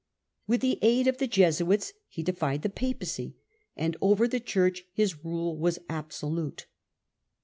With the aid of the Jesuits he defied the Papacy, and over the Church his rule was absolute.